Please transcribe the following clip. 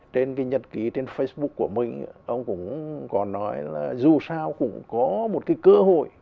trên cái nhật ký trên facebook của mình ông cũng có nói là dù sao cũng có một cái cơ hội